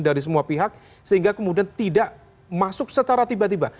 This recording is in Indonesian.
dari semua pihak sehingga kemudian tidak masuk secara tiba tiba